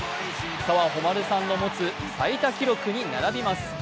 澤穂希さんの持つ最多記録に並びます。